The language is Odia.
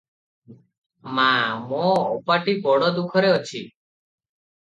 ମା! ମୋ ଅପାଟି ବଡ଼ ଦୁଃଖରେ ଅଛି ।